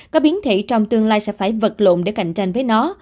các biến thể trong tương lai sẽ phải vật lộn để cạnh tranh với nó